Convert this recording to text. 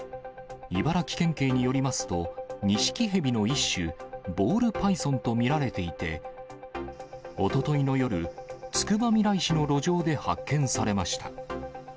茨城県警によりますと、ニシキヘビの一種、ボールパイソンと見られていて、おとといの夜、つくばみらい市の路上で発見されました。